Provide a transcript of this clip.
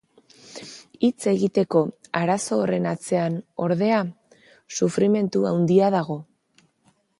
Hitz egiteko arazo horren atzean, ordea, sufrimendu handia dago.